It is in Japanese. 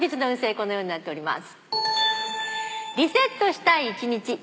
このようになっております。